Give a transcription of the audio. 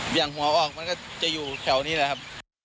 อย่างหัวออกมันก็จะอยู่แถวนี้แหละครับ